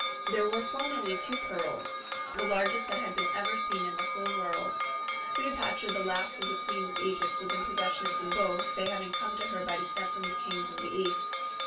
There were formerly two pearls, the largest that had been ever seen in the whole world : Cleopatra, the last of the queens of Egy]^t, M'as in possession of them both, they having come to her by descent from the kings of the East.